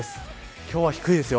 今日は低いですよ。